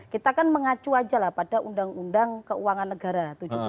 kita kan mengacu aja lah pada undang undang keuangan negara tujuh belas